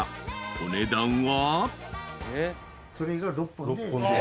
［お値段は］